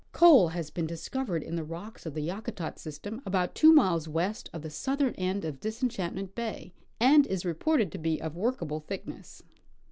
Coal has been discovered in the rocks of the Yakutat system about two miles west of the southern end of Disenchantment bay, and is reported to be of workable thickness.